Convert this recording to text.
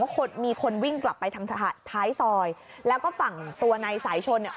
คนมีคนวิ่งกลับไปทางท้ายซอยแล้วก็ฝั่งตัวนายสายชนเนี่ย